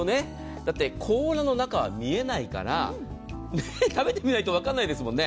だって甲羅の中は見えないから食べてみないとわからないですもんね。